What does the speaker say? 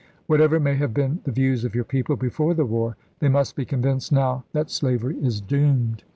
Whatever may have been the views of your people before the war, they must be convinced now that slavery is doomed.